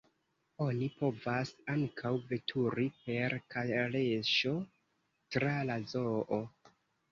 Oni povas ankaŭ veturi per kaleŝo tra la zoo.